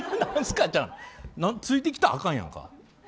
ついてきたらあかんやんか。